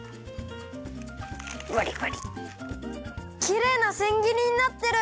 きれいなせんぎりになってる！